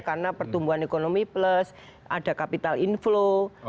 karena pertumbuhan ekonomi plus ada capital inflow